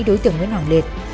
đối tượng nguyễn hoàng liệt